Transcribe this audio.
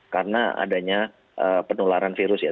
karena adanya penularan virus ya